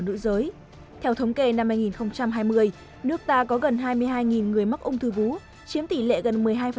nữ giới theo thống kê năm hai nghìn hai mươi nước ta có gần hai mươi hai người mắc ung thư vú chiếm tỷ lệ gần một mươi hai